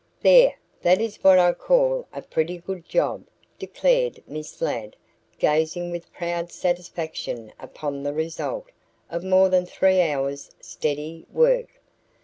"There, that is what I call a pretty good job," declared Miss Ladd gazing with proud satisfaction upon the result of more than three hours' steady work.